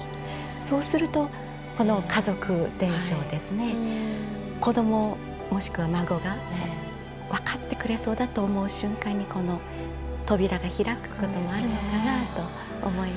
そうするとこの家族伝承ですね子どももしくは孫が分かってくれそうだと思う瞬間にこの扉が開くこともあるのかなと思います。